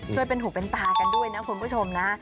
ช่วยเป็นหูเป็นตากันด้วยนะคุณผู้ชมนะ